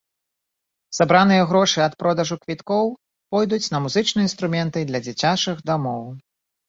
Сабраныя грошы ад продажу квіткоў пойдуць на музычныя інструменты для дзіцячых дамоў.